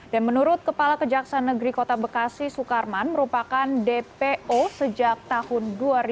menurut kepala kejaksaan negeri kota bekasi sukarman merupakan dpo sejak tahun dua ribu dua